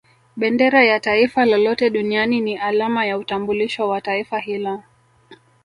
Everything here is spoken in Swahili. Bendera ya Taifa lolote Duniani ni alama ya utambulisho wa Taifa hilo